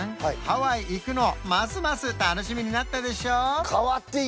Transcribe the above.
ハワイ行くのますます楽しみになったでしょ？